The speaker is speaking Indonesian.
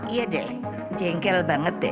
iya deh jengkel banget ya